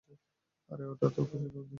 আরে ওটা তো খুশির দিন ছিল।